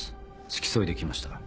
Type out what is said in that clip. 付き添いで来ました。